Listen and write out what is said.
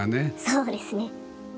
そうですね。